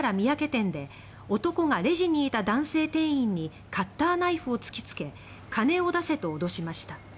店で男がレジにいた男性店員にカッターナイフを突きつけ金を出せと脅しました。